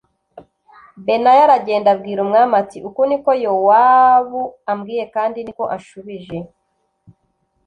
Benaya aragenda abwira umwami ati “Uku ni ko Yowabu ambwiye kandi ni ko anshubije.”